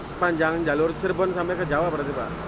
sepanjang jalur cirebon sampai ke jawa berarti pak